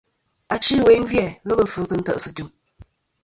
Achi ɨwe gvi-a ghelɨ fvɨ kɨ nte ̀sɨ jɨm.